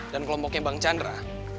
dan kelompoknya bang chandra